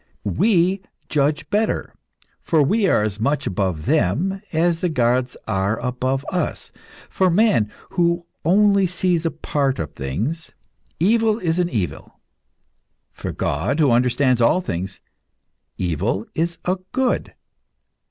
We judge better, for we are as much above them as the gods are above us. For man, who only sees a part of things, evil is an evil; for God, who understands all things, evil is a good.